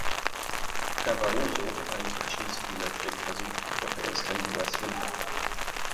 Herr Barroso hat einen Taschenspielertrick versucht, doch er ist kein guter Schwindler.